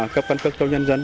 cấp căn cước cho nhân dân